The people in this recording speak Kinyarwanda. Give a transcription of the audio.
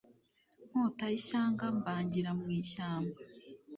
Nkota y’ ishyanga mbangira mu ishyamba.